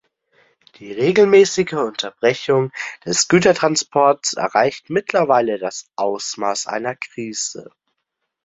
Die regelmäßige Unterbrechung des Gütertransports erreicht mittlerweile das Ausmaß einer Krise.